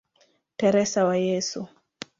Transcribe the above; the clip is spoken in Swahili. Teresa wa Yesu".